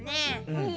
うん。